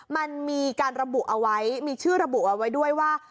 มันมีการระบุเอาไว้มีชื่อระบุเอาไว้ด้วยว่า